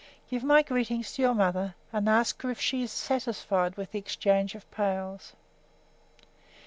Give my greetings to your mother, and ask her if she is satisfied with the exchange of pails."